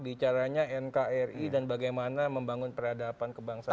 bicaranya nkri dan bagaimana membangun peradaban kebangsaan